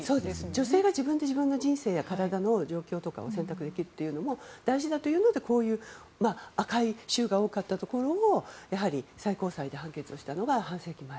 女性が自分で体のことを選択できるというのも大事だということでこういう赤い州が多かったところも最高裁で判決したのが半世紀前。